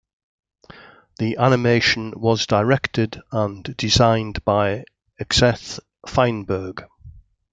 The animation was directed and designed by Xeth Feinberg.